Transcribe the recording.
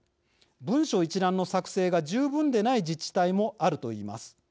文書一覧の作成が十分でない自治体もあると言います。